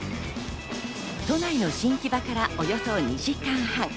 都内の新木場からおよそ２時間半。